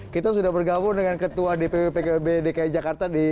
kita sudah bergabung dengan ketua dpw pkb dki jakarta